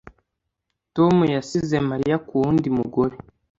Tom yasize Mariya ku wundi mugore